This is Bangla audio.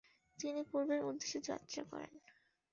তিনি পূর্বের উদ্দেশ্যে যাত্রা করেন।